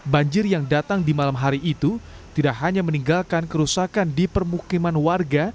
banjir yang datang di malam hari itu tidak hanya meninggalkan kerusakan di permukiman warga